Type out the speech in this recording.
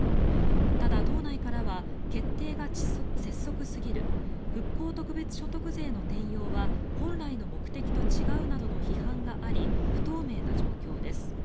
ただ党内からは決定が拙速すぎる復興特別所得税の転用は本来の目的と違うなどの批判があり不透明な状況です。